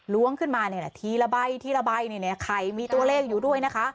ล้วงขึ้นมาเนี่ยนะทีละใบทีละใบเนี่ยเนี่ยไข่มีตัวเลขอยู่ด้วยนะคะ